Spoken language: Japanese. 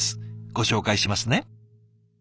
ご紹介しますね。